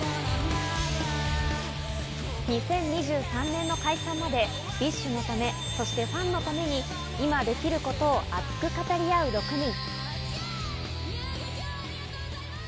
２０２３年の解散までＢｉＳＨのため、そしてファンのために今できることを熱く語り合う６人。